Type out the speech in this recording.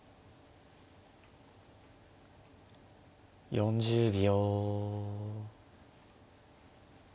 ４０秒。